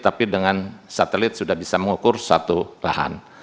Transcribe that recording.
tapi dengan satelit sudah bisa mengukur satu lahan